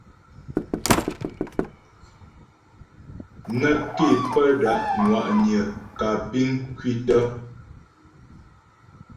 Nə́ ké pə́ da' ŋwa'nyə kǎ piŋ kwǐtə.